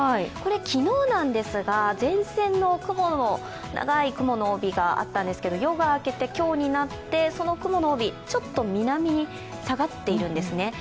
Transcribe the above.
昨日なんですが、前線の長い雲の帯があったんですけど夜が明けて今日になってその雲の帯、ちょっと南に下がっているんですね。